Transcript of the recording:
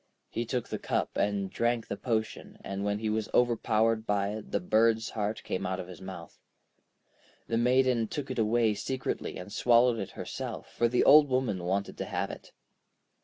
He took the cup and drank the potion, and when he was overpowered by it the bird's heart came out of his mouth. The Maiden took it away secretly and swallowed it herself, for the Old Woman wanted to have it.